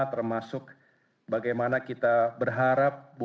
termasuk bagaimana kita memiliki kemampuan untuk memilih